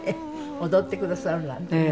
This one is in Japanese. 踊ってくださるなんてね。